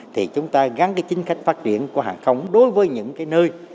thì chúng ta gắn chính khách phát triển của hàng không đối với những nơi